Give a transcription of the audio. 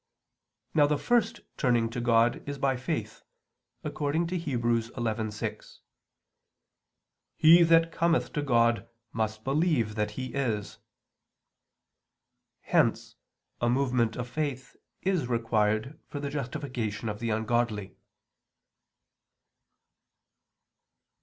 Now the first turning to God is by faith, according to Heb. 11:6: "He that cometh to God must believe that He is." Hence a movement of faith is required for the justification of the ungodly.